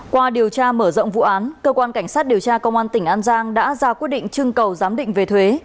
qua điều tra mở rộng vụ án cơ quan cảnh sát điều tra công an tỉnh an giang đã ra quyết định trưng cầu giám định về thuế